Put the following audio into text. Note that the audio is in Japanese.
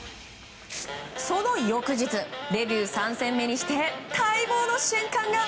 その翌日、デビュー３戦目にして待望の瞬間が。